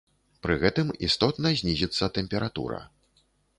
Пры гэтым істотна знізіцца тэмпература.